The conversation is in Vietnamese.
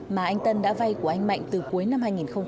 mà anh tân đã vay của anh mạnh từ cuối năm hai nghìn một mươi ba